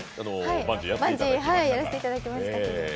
バンジー、やらせていただきました。